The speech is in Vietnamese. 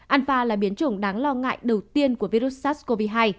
alpa là biến chủng đáng lo ngại đầu tiên của virus sars cov hai